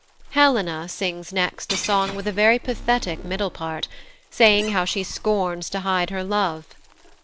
Helena sings next a song with a very pathetic middle part, saying how she scorns to hide her love.